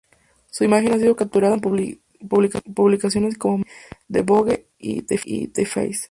Su imagen ha sido capturada en publicaciones como "Madame", "D", "Vogue" y "The Face".